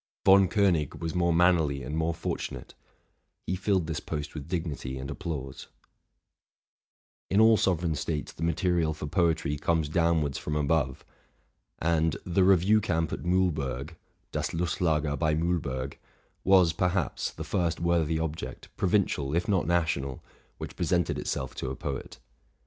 Von Konig was more man nerly and more fortunate: he filled this "post with dignity and applause, , 220 TRUTH AND FICTION In all sovereign states the material for poetry comes down wards from above; and '* The Review camp at Mihlberg'"' (*' Das Lustlager bei Mihlberg'') was, perhaps, the first worthy object, provincial, if nog§ national, which presented itself to a poet.